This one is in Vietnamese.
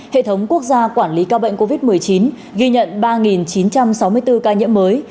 hệ thống quốc gia quản lý ca bệnh covid một mươi chín ghi nhận ba chín trăm sáu mươi bốn ca nhiễm mới